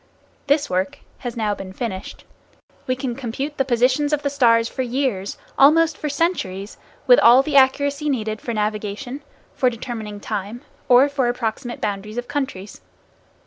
This work has now been finished. We can compute the positions of the stars for years, almost for centuries, with all the accuracy needed for navigation, for determining time or for approximate boundaries of countries.